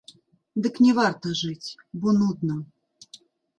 Дык не варта жыць, бо нудна.